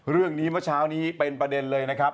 เรื่องนี้เมื่อเช้านี้เป็นประเด็นเลยนะครับ